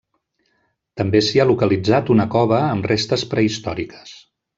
També s'hi ha localitzat una cova amb restes prehistòriques.